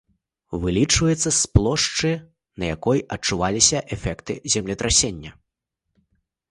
Вылічваецца з плошчы, на якой адчуваліся эфекты землетрасення.